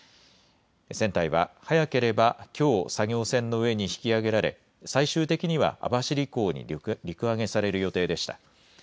船体は早ければきょう、作業船の上に引き揚げられ最終的には網走港に陸揚げされる予定でした。